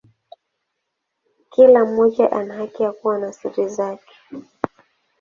Kila mmoja ana haki ya kuwa na siri zake.